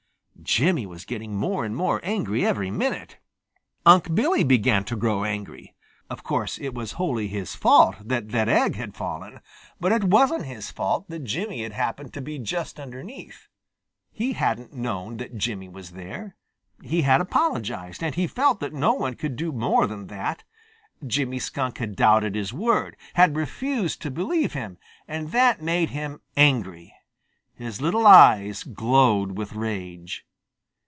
Jimmy was getting more and more angry every minute. Unc' Billy began to grow angry. Of course, it was wholly his fault that that egg had fallen, but it wasn't his fault that Jimmy had happened to be just beneath. He hadn't known that Jimmy was there. He had apologized, and he felt that no one could do more than that. Jimmy Skunk had doubted his word, had refused to believe him, and that made him angry. His little eyes glowed with rage.